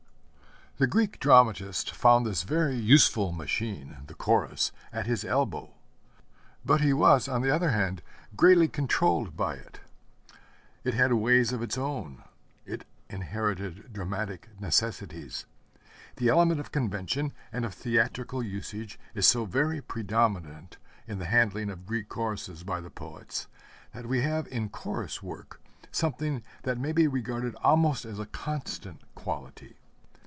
The Greek dramatist found this very useful machine, the Chorus, at his elbow; but he was, on the other hand, greatly controlled by it. It had ways of its own: it inherited dramatic necessities. The element of convention and of theatrical usage is so very predominant in the handling of Greek choruses by the poets, that we have in chorus work something that may be regarded almost as a constant quality.